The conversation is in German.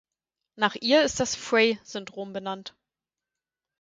Nach ihr ist das Frey-Syndrom benannt.